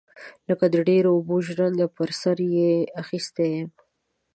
لکه د ډيرو اوبو ژرنده پر سر يې اخيستى يم.